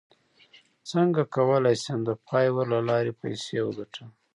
څنګه کولی شم د فایور له لارې پیسې وګټم